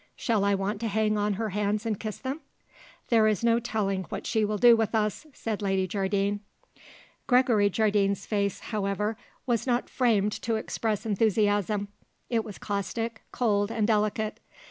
Shall I want to hang on her hands and kiss them?" "There is no telling what she will do with us," said Lady Jardine. Gregory Jardine's face, however, was not framed to express enthusiasm. It was caustic, cold and delicate.